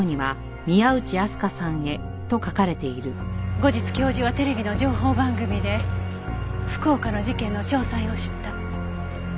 後日教授はテレビの情報番組で福岡の事件の詳細を知った。